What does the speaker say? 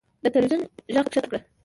د تلوېزون ږغ کښته کړه .